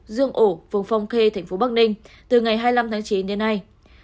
dương hổ phường phong khê thành phố bắc ninh từ ngày hai mươi năm tháng chín đến nay